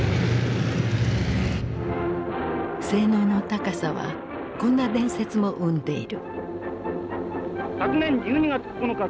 性能の高さはこんな伝説も生んでいる。